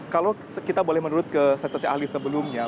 kalau kita boleh menurut ke saksi saksi ahli sebelumnya